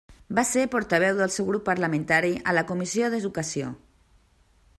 Va ser portaveu del seu grup parlamentari a la Comissió d'Educació.